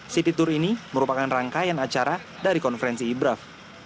city tour ini merupakan rangkaian acara dari konferensi ibraf